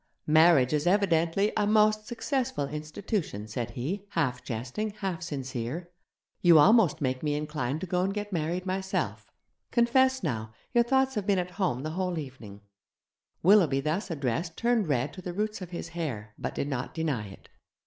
'Marriage is evidently a most successful institution,' said he, half jesting, half sincere; 'you almost make me inclined to go and get married myself. Confess now your thoughts have been at home the whole evening.' Willoughby thus addressed turned red to the roots of his hair, but did not deny it.